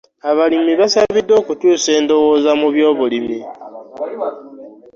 Abalimi basabiddwa okukyuusa endowooza mu by'obulimi.